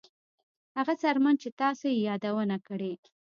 هغه څرمن چې تاسو یې یادونه کړې